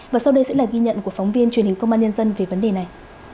và sau đây sẽ là ghi nhận của phóng viên truyền hình công an nhân dân về vấn đề này